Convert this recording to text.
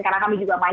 karena kami juga main